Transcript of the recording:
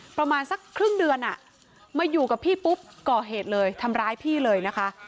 ประมาณสักครึ่งเดือนมาอยู่กับพี่ปุ๊บก่อเหตุเลยทำร้ายพี่เลยนะคะ